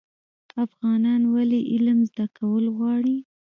افغانان ولې علم زده کول غواړي؟